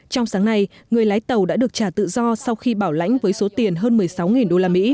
trong sáng nay người lái tàu đã được trả tự do sau khi bảo lãnh với số tiền hơn một mươi sáu usd